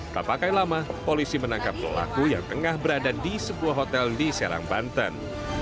tak pakai lama polisi menangkap pelaku yang tengah berada di sebuah hotel di serang banten